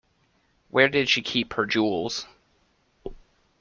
Where did she keep her jewels!